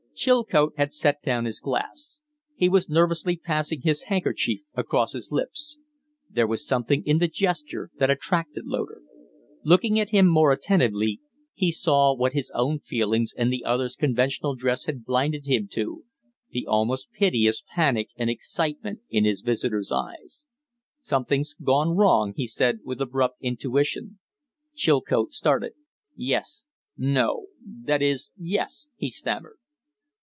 Chilcote had set down his glass. He was nervously passing his handkerchief across his lips. There was something in the gesture that attracted Loder. Looking at him more attentively, he saw what his own feelings and the other's conventional dress had blinded him to the almost piteous panic and excitement in his visitor's eyes. "Something's gone wrong!" he said, with abrupt intuition. Chilcote started. "Yes no that is, yes," he stammered.